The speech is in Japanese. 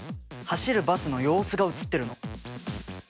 走るバスの様子が映ってるの。